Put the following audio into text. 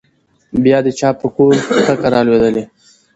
بيا د چا په کور ټکه رالوېدلې؟